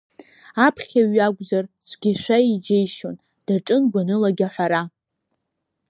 Аԥхьаҩ иакәзар, цәгьашәа иџьеишьон, даҿын гәанылагь аҳәара…